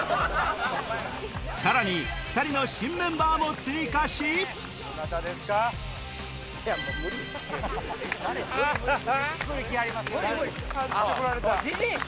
さらに２人の新メンバーも追加しおいじじい！